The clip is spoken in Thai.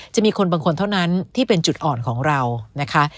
จะมีคนบางคนเท่านั้นที่เป็นจุดอ่อนของเรานะคะ